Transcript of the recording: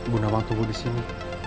bunda wang tunggu disini